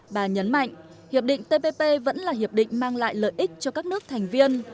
bà nhấn mạnh hiệp định tpp vẫn là hiệp định mang lại lợi ích cho các nước thành viên